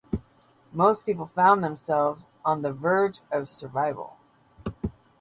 Most people found themselves on the verge of survival.